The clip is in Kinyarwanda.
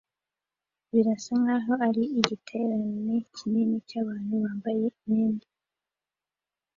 Birasa nkaho ari igiterane kinini cyabantu bambaye imyenda